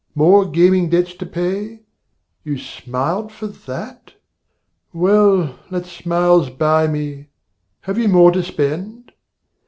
More gaming debts to pay? you smiled for that? Well, let smiles buy me! have you more to spend?